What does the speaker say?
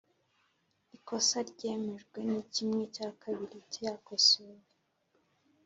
ikosa ryemejwe ni kimwe cya kabiri cyakosowe.